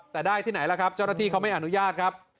แต่ได้ที่ไหนล่ะครับเจ้าหน้าที่เขาไม่อนุญาตครับ